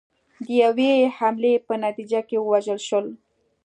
د یوې حملې په نتیجه کې ووژل شول.